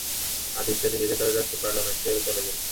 আদিত্য নিজেকে ধরে রাখতে পারলে না, সেও গেল চলে।